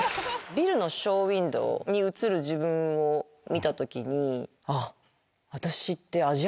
ビルのショーウインドーに映る自分を見た時に。